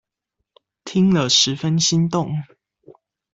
聽了十分心動